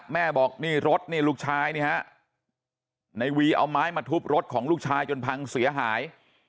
แม่บอกนี่รถนี่ลูกชายนี่ฮะในวีเอาไม้มาทุบรถของลูกชายจนพังเสียหาย